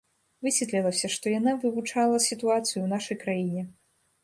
Высветлілася, што яна вывучала сітуацыю ў нашай краіне.